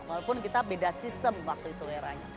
walaupun kita beda sistem waktu itu eranya